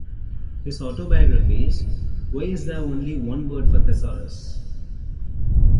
His autobiographies, Why Is There Only One Word for Thesaurus?